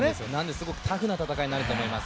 すごくタフな戦いになると思います。